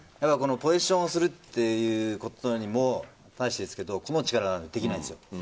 ポゼッションをするということに対してですが個の力なんですよ。